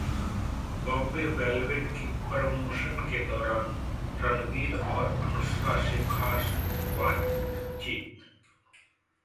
'Bombay velvet' की promotion के दौरान रणबीर और अनुष्का से खास बातचीत